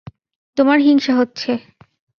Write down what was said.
তোমার হিংসা হচ্ছে।